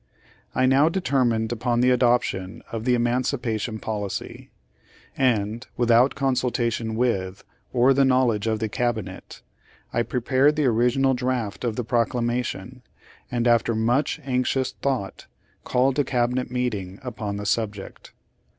I now determined upon the adoption of the emancipation policy; and, without consultation with, or the knowledge of the Cabinet, I prepared the original draft of the proclama tion, and, after much anxious thought, called a Cabinet meeting upon the subject.